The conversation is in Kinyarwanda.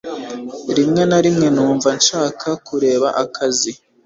Rimwe na rimwe numva nshaka kureka akazi.